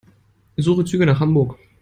Suche Züge nach Hamburg.